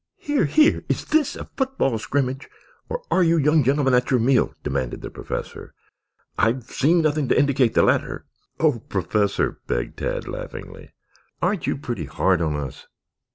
"Here, here! Is this a football scrimmage or are you young gentlemen at your meal?" demanded the Professor. "I've seen nothing to indicate the latter." "Oh, Professor," begged Tad laughingly. "Aren't you pretty hard on us?"